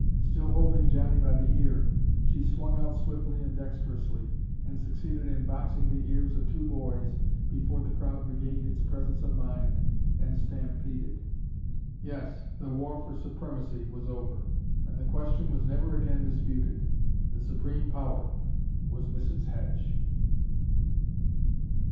Still holding Johnnie by the ear, she swung out swiftly and dexterously, and succeeded in boxing the ears of two boys before the crowd regained its presence of mind and stampeded. Yes, the war for supremacy was over, and the question was never again disputed. The supreme power was Mrs. Hedge.